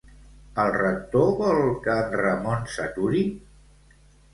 El Rector vol que en Ramon s'aturi?